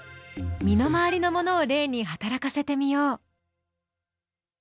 身の回りのものを例に働かせてみよう。